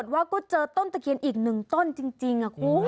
ว่าก็เจอต้นตะเคียนอีกหนึ่งต้นจริง